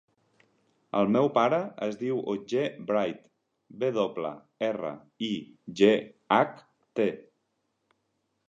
El meu pare es diu Otger Wright: ve doble, erra, i, ge, hac, te.